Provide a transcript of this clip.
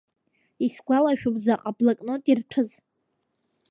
Исгәалашәом заҟа блокнот ирҭәыз.